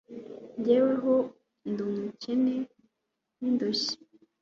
Jyeweho ndi umukene n’indushyi